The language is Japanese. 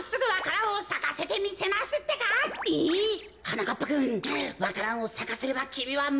なかっぱくんわか蘭をさかせればきみはむざいだ。